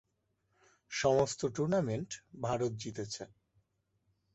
সমস্ত টুর্নামেন্ট ভারত জিতেছে।